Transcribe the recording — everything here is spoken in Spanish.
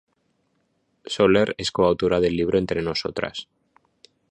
Soler es co-autora del libro ""Entre nosotras.